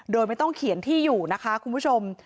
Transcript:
โดยไม่ต้องเขียนที่อยู่นะคะคุณผู้ชม